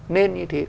nên như thế